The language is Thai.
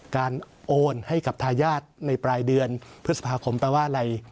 โอนให้กับทายาทในปลายเดือนพฤษภาคมแปลว่าอะไร